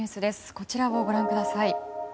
こちらをご覧ください。